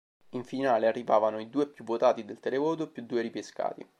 In finale arrivavano i due più votati dal televoto più due ripescati.